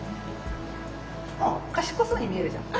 あっ賢そうに見えるじゃん。